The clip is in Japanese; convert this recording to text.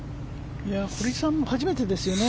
堀さんも初めてですよね